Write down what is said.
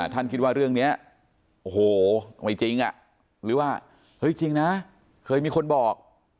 ท่านคิดว่าเรื่องนี้โอ้โหไม่จริงอ่ะหรือว่าเฮ้ยจริงนะเคยมีคนบอก